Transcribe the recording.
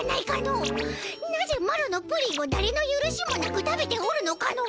なぜマロのプリンをだれのゆるしもなく食べておるのかの？